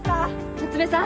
夏梅さん